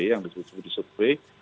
yang disebut sebut di survei